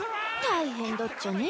大変だっちゃね。